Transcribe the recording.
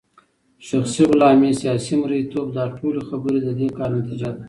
شخصي غلامې ، سياسي مريتوب داټولي خبري ددي كار نتيجه ده